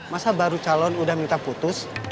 masa baru calon udah minta putus